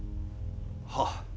はっ。